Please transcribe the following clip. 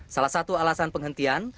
salah satu alasan penghentian